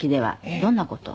どんな事を？